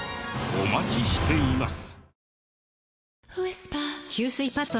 お待ちしています。